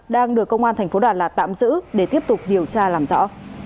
đang được công an thành phố đà lạt tạm giữ để tiếp tục điều tra làm rõ